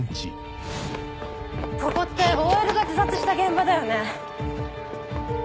ここってＯＬが自殺した現場だよね？